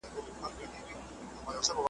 زه د ماشومانو لپاره تازه سنکس چمتو کوم.